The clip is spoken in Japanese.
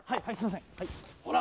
ほら！